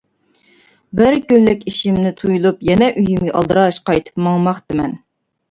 بىر كۈنلۈك ئىشىمنى تۇيۇلۇپ يەنە ئۆيۈمگە ئالدىراش قايتىپ ماڭماقتىمەن.